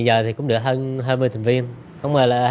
giờ thì cũng được hơn hai mươi thành viên